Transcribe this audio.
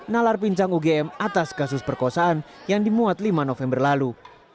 nalar pincang ugm atas kasus perkosaan yang dimuat lima november lalu